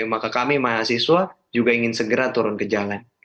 maka kami mahasiswa juga ingin segera turun ke jalan